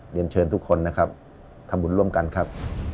เรียนเชิญทุกคนนะครับทำบุญร่วมกันครับ